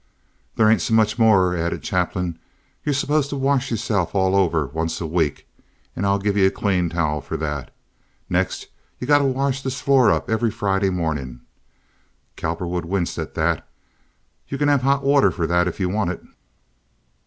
"There hain't so much more," added Chapin. "You're supposed to wash yourself all over once a week an' I'll give you a clean towel for that. Next you gotta wash this floor up every Friday mornin'." Cowperwood winced at that. "You kin have hot water for that if you want it.